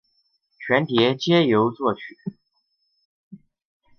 全碟皆由作曲。